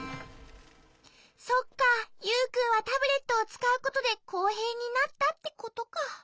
そっかユウくんはタブレットをつかうことでこうへいになったってことか。